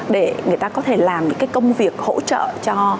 để người ta có thể làm những cái công việc hỗ trợ cho